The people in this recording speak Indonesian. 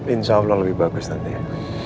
insya allah lebih bagus nanti ya